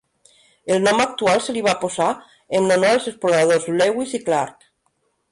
El nom actual se li va posar en honor als exploradors Lewis i Clark.